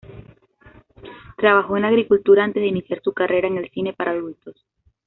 Trabajó en la agricultura antes de iniciar su carrera en el cine para adultos.